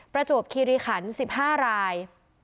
ประจวบคิริขัน๑๕ราย